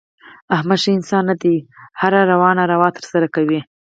احمد ښه انسان نه دی. هره روا ناروا ترسه کوي.